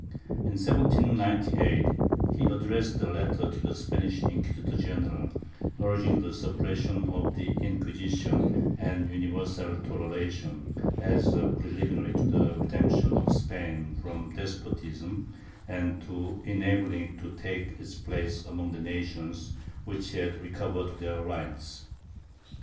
In 1798, he addressed a letter to the Spanish inquisitor general, urging the suppression of the Inquisition and universal toleration, as a preliminary to the redemption of Spain from despotism, and to enabling it to take its place among the nations which had recovered their rights.